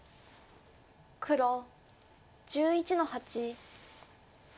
黒１１の八。